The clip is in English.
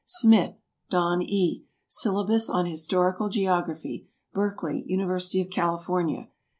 SMITH, DON E. "Syllabus on Historical Geography." Berkeley, University of California.